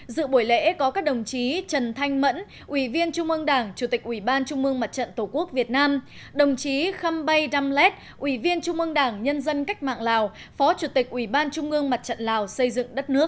dự buổi lễ có các đồng chí trần thanh mẫn ủy viên trung ương đảng chủ tịch ủy ban trung mương mặt trận tổ quốc việt nam đồng chí khăm bay đam lét ủy viên trung ương đảng nhân dân cách mạng lào phó chủ tịch ủy ban trung ương mặt trận lào xây dựng đất nước